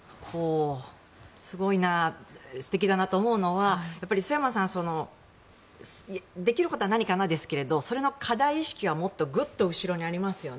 すごいな、素敵だなと思うのは陶山さんできることは何かなですがそれの課題意識はもっとグッと後ろにありますよね。